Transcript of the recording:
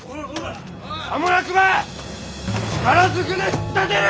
さもなくば力ずくで引っ立てる！